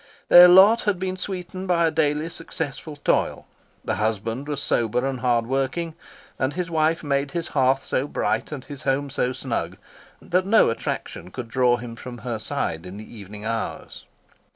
Their lot had been sweetened by daily successful toil. The husband was sober and hard working, and his wife made his hearth so bright and his home so snug, that no attraction could draw him from her side in the evening hours.